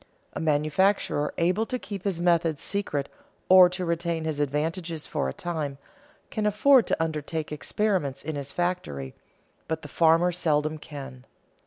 A manufacturer able to keep his methods secret, or to retain his advantages for a time, can afford to undertake experiments in his factory, but the farmer seldom can.